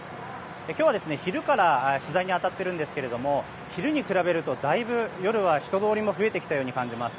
今日は昼から取材に当たっていますが昼に比べるとだいぶ夜は人通りも増えてきたように感じます。